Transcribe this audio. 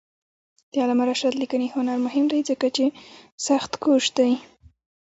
د علامه رشاد لیکنی هنر مهم دی ځکه چې سختکوش دی.